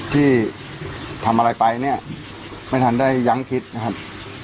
ที่ทำอะไรไปเนี่ยไม่ทันได้ยั้งคิดนะครับ